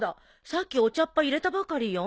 さっきお茶っ葉入れたばかりよ。